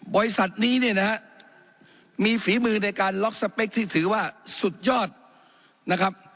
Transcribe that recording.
บริษัทนี้เนี่ยนะฮะมีฝีมือในการล็อกสเปคที่ถือว่าสุดยอดนะครับ